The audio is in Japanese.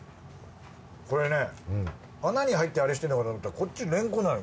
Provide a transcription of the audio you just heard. これね穴に入ってあれしてんのかと思ったらこっちレンコンなの。